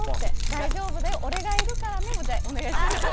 大丈夫だよ、俺がいるからねまでお願いします。